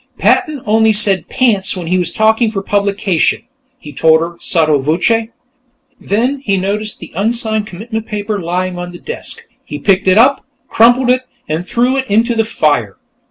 "Patton only said 'pants' when he was talking for publication," he told her, sotto voce. Then he noticed the unsigned commitment paper lying on the desk. He picked it up, crumpled it, and threw it into the fire.